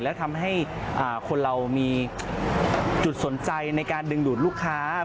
และทำให้คนเรามีจุดสนใจในการดึงดูดลูกค้า